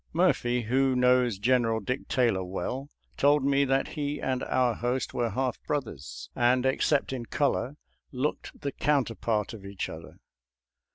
Murphy, who knows General Dick Taylor well, told me that he and our host were half brothers, and except in color looked the counterpart of each other.